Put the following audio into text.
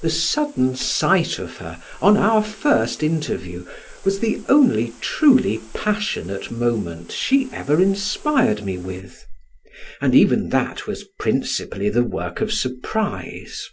The sudden sight of her, on our first interview, was the only truly passionate moment she ever inspired me with; and even that was principally the work of surprise.